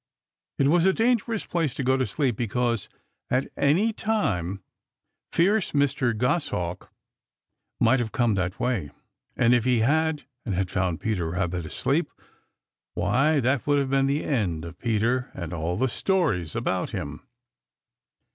It was a dangerous place to go to sleep, because at any time fierce Mr. Goshawk might have come that way, and if he had, and had found Peter Rabbit asleep, why, that would have been the end of Peter and all the stories about him.